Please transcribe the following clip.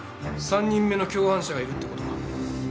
３人目の共犯者がいるって事か。